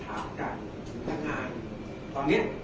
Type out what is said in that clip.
แต่ว่าไม่มีปรากฏว่าถ้าเกิดคนให้ยาที่๓๑